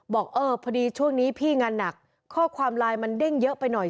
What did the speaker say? บอกเออพอดีช่วงนี้พี่งานหนักข้อความไลน์มันเด้งเยอะไปหน่อย